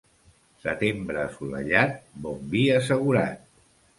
Setembre assolellat, bon vi assegurat.